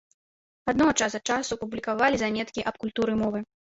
Адно, час ад часу публікавалі заметкі аб культуры мовы.